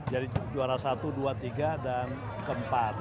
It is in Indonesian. jadi juara satu dua tiga dan ke empat